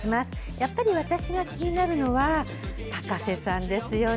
やっぱり私が気になるのは、高瀬さんですよね。